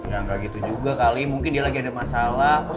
ya gak gitu juga kali mungkin dia lagi ada masalah terus ketikik aja